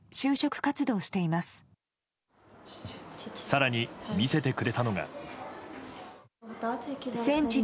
更に、見せてくれたのが。